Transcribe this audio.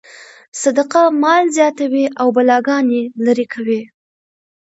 صدقه مال زیاتوي او بلاګانې لرې کوي.